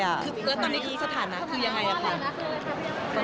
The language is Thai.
แล้วตอนนี้ทีสถานคือยังไงครับค่ะ